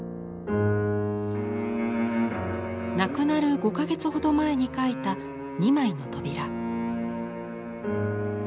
亡くなる５か月ほど前に描いた２枚の扉。